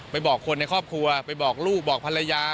บอกคนในครอบครัวไปบอกลูกบอกภรรยา